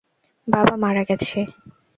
বাবা মারা গেছে।